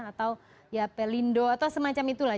atau ya pelindo atau semacam itulah